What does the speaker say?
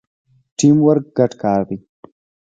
ټیم ورک ګډ کار دی